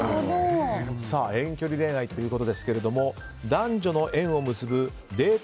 遠距離恋愛ということですが男女の縁を結ぶデート